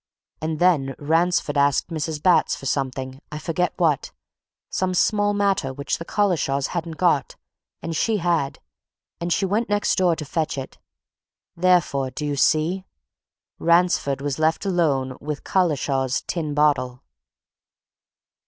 And then Ransford asked Mrs. Batts for something I forget what some small matter which the Collishaw's hadn't got and she had, and she went next door to fetch it. Therefore do you see? Ransford was left alone with Collishaw's tin bottle!"